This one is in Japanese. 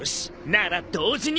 なら同時に。